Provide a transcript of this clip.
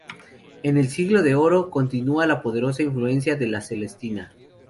En el Siglo de Oro continua la poderosa influencia de "La Celestina".